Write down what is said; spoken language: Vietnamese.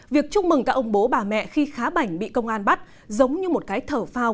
việc chúc mừng các ông bố bà mẹ khi khá bảnh bị công an bắt giống như một cái thở phao